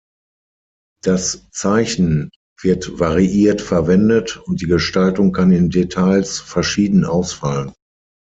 Das Zeichen wird variiert verwendet, und die Gestaltung kann in Details verschieden ausfallen.